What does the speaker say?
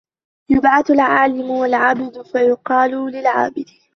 يُبْعَثُ الْعَالِمُ وَالْعَابِدُ فَيُقَالُ لِلْعَابِدِ